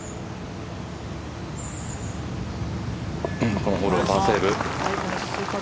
このホールもパーセーブ。